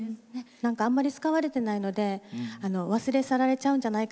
なんかあんまり使われてないので忘れ去られちゃうんじゃないかな。